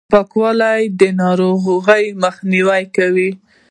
پاکوالي، د ناروغیو مخنیوی کوي.